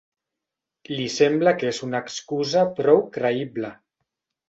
Li sembla que és una excusa prou creïble.